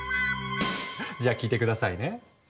じゃあ聞いて下さいね。